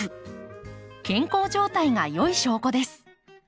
健康状態が良い証拠です。